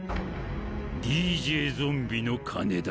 ＤＪゾンビの金だ。